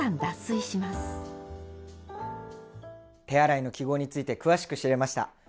手洗いの記号について詳しく知れました。